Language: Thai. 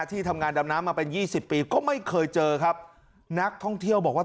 ที่ทำงานดำน้ำมาเป็นยี่สิบปีก็ไม่เคยเจอครับนักท่องเที่ยวบอกว่า